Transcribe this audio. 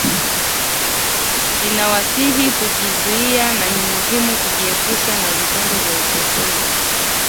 Ninawasihi kujizuia na ni muhimu kujiepusha na vitendo vya uchokozi